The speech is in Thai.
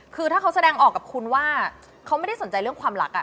คือถ้าเขาแสดงออกกับคุณว่าเขาไม่ได้สนใจเรื่องความรัก